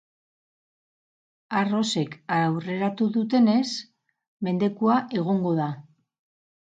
Arrosek aurreratu dutenez, mendekua egongo da!